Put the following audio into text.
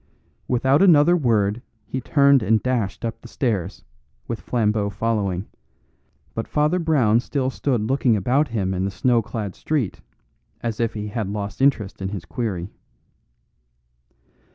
Without another word he turned and dashed up the stairs, with Flambeau following; but Father Brown still stood looking about him in the snow clad street as if he had lost interest in his query.